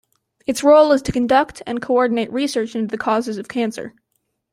Its role is to conduct and coordinate research into the causes of cancer.